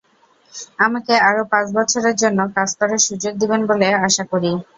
আমাকে আরও পাঁচ বছরের জন্য কাজ করার সুযোগ দেবেন বলে আশা করি।